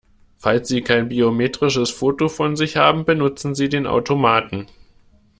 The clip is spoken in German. Falls Sie kein biometrisches Foto von sich haben, benutzen Sie den Automaten!